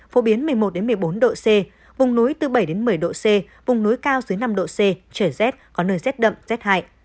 phổ biến một mươi một một mươi bốn độ c vùng núi từ bảy một mươi độ c vùng núi cao dưới năm độ c trời rét có nơi rét đậm rét hại